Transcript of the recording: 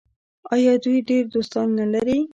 آیا دوی ډیر دوستان نلري؟